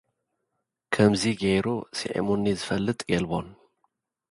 ከምዚ ገይሩ ስዒሙኒ ዝፈልጥ የልቦን።